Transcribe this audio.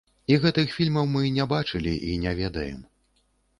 І гэтых фільмаў мы не бачылі і не ведаем.